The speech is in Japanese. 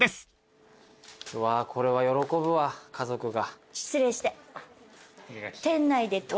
うわこれは喜ぶわ家族が。